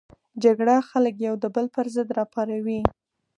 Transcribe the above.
جګړه خلک یو د بل پر ضد راپاروي